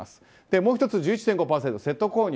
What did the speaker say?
もう１つが１１．５％のセット購入。